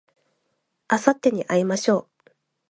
あさってに会いましょう